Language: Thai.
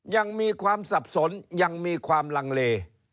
ยังมีความสับสนยังมีความลังเล